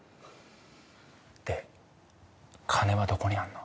で金はどこにあんの？